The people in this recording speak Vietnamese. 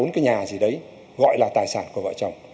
một hai ba bốn cái nhà gì đấy gọi là tài sản của vợ chồng